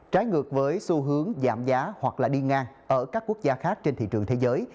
trái ngược với xu hướng giảm giá hoặc đi ngang ở các quốc gia khác trên thị trường thế giới